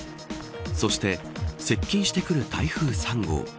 そして、接近してくる台風３号。